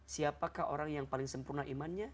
siapakah orang yang paling sempurna imannya